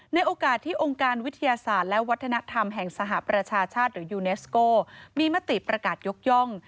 ในโอกาสที่องค์การวิทยาศาสตร์และวัฒนธรรมแห่งสหประชาชาติหรือยูเนสโกมีมติประกาศยกย่อง